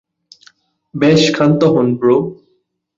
ব্যস ক্ষান্ত হন, ব্রো।